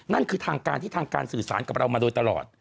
นั่นคือทางการที่ทางการสื่อสารกับเรามาโดยตลอด